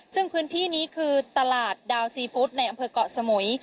ซึ่งพื้นที่นี้คือตลาดดาวซีฟู้ดในอำเภอกเกาะสมุย